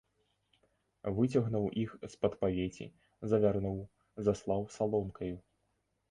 Выцягнуў іх з-пад павеці, завярнуў, заслаў саломкаю.